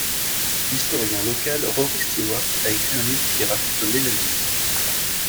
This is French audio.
L'historien local Rory Stewart a écrit un livre qui raconte l'évènement.